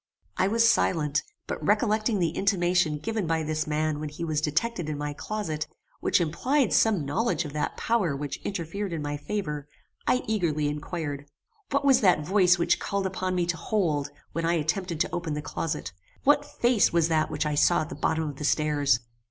I was silent; but recollecting the intimation given by this man when he was detected in my closet, which implied some knowledge of that power which interfered in my favor, I eagerly inquired, "What was that voice which called upon me to hold when I attempted to open the closet? What face was that which I saw at the bottom of the stairs?